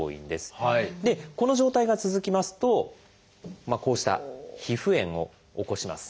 でこの状態が続きますとこうした皮膚炎を起こします。